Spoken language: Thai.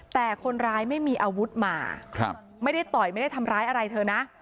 แต่คนร้ายไม่มีอาวุธมาไม่ได้ต่อยไม่ได้ทำร้ายอะไรเธอนะ